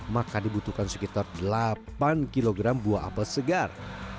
maka dibutuhkan sekitar delapan kg buah apel segar